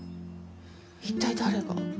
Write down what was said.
一体誰が？